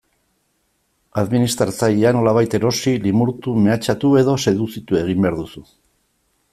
Administratzailea nolabait erosi, limurtu, mehatxatu edo seduzitu egin behar duzu.